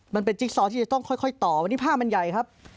มันเป็นจิ๊กซอท์ที่ต้องค่อยต่อวันนี้ผ้ามันใหญ่ครับ